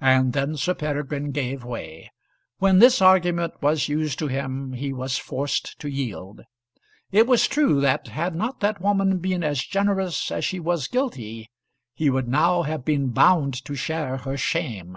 And then Sir Peregrine gave way. When this argument was used to him, he was forced to yield. It was true that, had not that woman been as generous as she was guilty, he would now have been bound to share her shame.